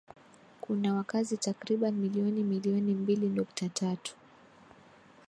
Kuna wakazi takriban milioni milioni mbili nukta tatu